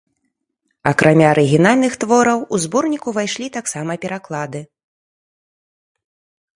Акрамя арыгінальных твораў у зборнік увайшлі таксама пераклады.